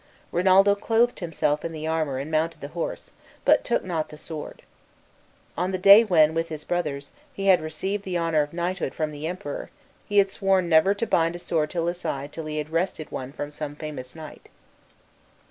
Rinaldo clothed himself in the armor and mounted the horse, but took not the sword. On the day when, with his brothers, he had received the honor of knighthood from the Emperor he had sworn never to bind a sword to his side till he had wrested one from some famous knight.